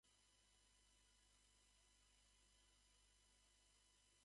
なんで終わらないだこの宿題は怖い y な